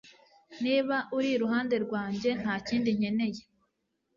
niba uri iruhande rwanjye, nta kindi nkeneye